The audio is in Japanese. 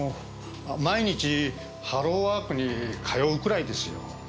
毎日ハローワークに通うくらいですよ。